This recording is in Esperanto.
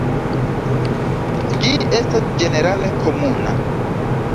Ĝi estas ĝenerale komuna.